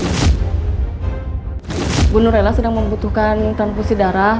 ibu nurlela sedang membutuhkan transpusi darah